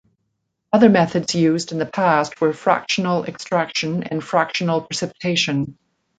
Other methods used in the past were fractional extraction and fractional precipitation.